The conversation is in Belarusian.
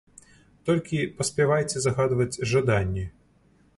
Толькі паспявайце загадваць жаданні.